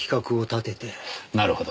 なるほど。